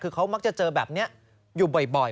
คือเขามักจะเจอแบบนี้อยู่บ่อย